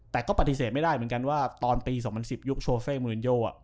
แต่ก็ปฏิเสธไม่ได้เหมือนกันว่าตอนปี๒๐๑๐ยุคโชเฟ่มูลินโย